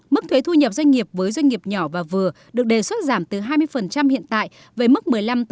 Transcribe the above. mức thuế thu nhập doanh nghiệp với doanh nghiệp nhỏ và vừa được đề xuất giảm từ hai mươi hiện tại về mức một mươi năm một mươi bảy